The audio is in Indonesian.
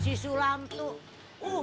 si sulam tuh